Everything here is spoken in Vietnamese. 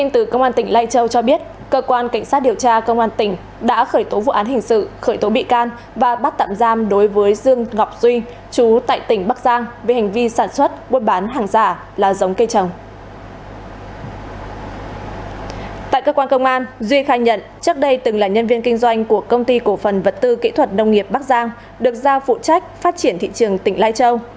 tại cơ quan công an duy khai nhận trước đây từng là nhân viên kinh doanh của công ty cổ phần vật tư kỹ thuật nông nghiệp bắc giang được giao phụ trách phát triển thị trường tỉnh lai châu